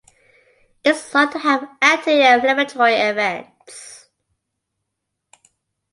It is thought to have anti-inflammatory effects.